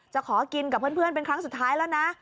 ขอกินกับเพื่อนเป็นครั้งสุดท้ายแล้วนะ